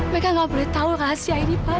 mereka gak boleh tau rahasia ini pak